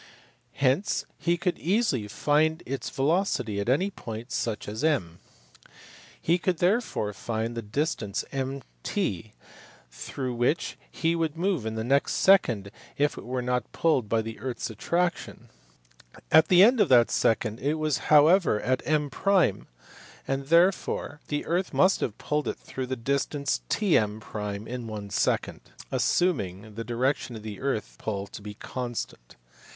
Hence he could easily find its velocity at any point such as M. He could therefore find the distance MT through which it would move in the next second if it were not pulled by the earth s attraction. At the end of that second it was however at M , and therefore the earth must have pulled it through the dis tance TM in one second (assuming the direction of the earth s pull to be constant).